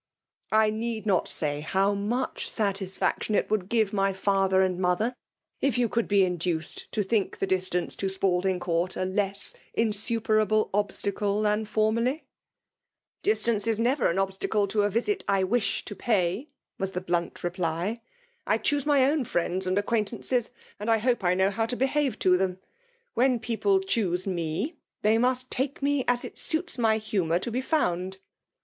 I need not say how much satisfaction it would give my father and mother, if you could be induced to think the distance to Spalding Court a less insuperable obstacle than formerly ! ''Distance is never an obstacle to a visit I wish to pay," was the blunt reply. « I choose my own friends and acquaintances, and I hope I know how to behave to them. When people choose me, they must take me as it suits my humour to be found.''